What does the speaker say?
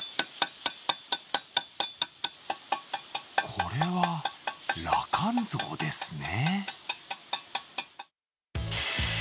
これは羅漢像ですね。